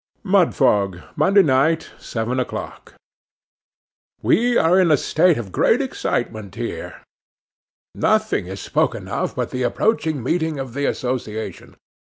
'Mudfog, Monday night, seven o'clock. 'WE are in a state of great excitement here. Nothing is spoken of, but the approaching meeting of the association.